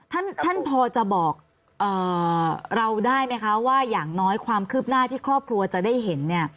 ท่านท่านพอจะบอกเราได้ไหมคะว่าอย่างน้อยความคืบหน้าที่ครอบครัวจะได้เห็นเนี่ย